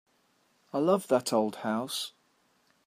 I love that old house.